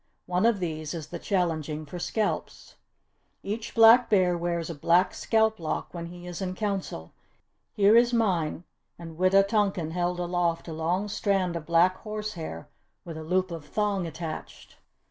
One of these is the challenging for scalps. "Each Black Bear wears a black scalp lock when he is in Council. Here is mine," and Wita tonkan held aloft a long strand of black horsehair with a loop of thong attached.